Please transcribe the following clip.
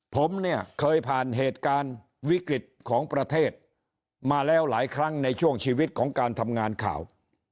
ผมเนี่ยเคยผ่านเหตุการณ์วิกฤตของประเทศมาแล้วหลายครั้งในช่วงชีวิตของการทำงานข่าว